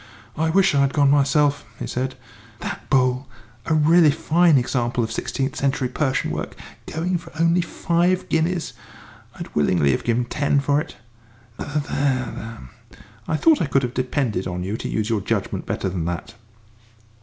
"I wish I'd gone myself," he said; "that bowl, a really fine example of sixteenth century Persian work, going for only five guineas! I'd willingly have given ten for it. There, there, I thought I could have depended on you to use your judgment better than that!"